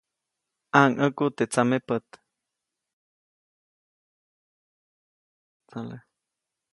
ʼMaŋʼäku teʼ tsamepät.